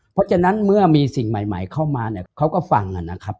เพราะฉะนั้นเมื่อมีสิ่งใหม่เข้ามาเนี่ยเขาก็ฟังนะครับ